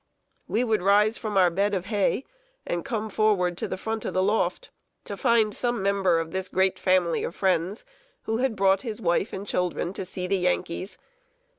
We would rise from our bed of hay, and come forward to the front of the loft, to find some member of this great family of friends, who had brought his wife and children to see the Yankees.